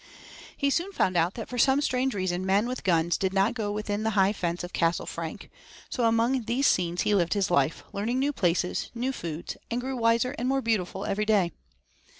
He soon found out that for some strange reason men with guns did not go within the high fence of Castle Frank. So among these scenes he lived his life, learning new places, new foods, and grew wiser and more beautiful every day.